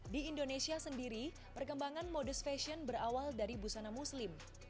di indonesia sendiri perkembangan modus fashion berawal dari busana muslim